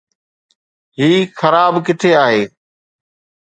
هي خراب ڪٿي آهي؟